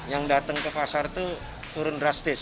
yang datang ke pasar itu turun drastis